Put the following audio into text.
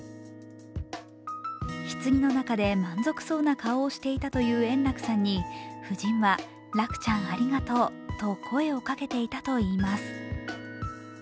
ひつぎの中で満足そうな顔をしていたという円楽さんに夫人は、楽ちゃんありがとうと声をかけていたといいます。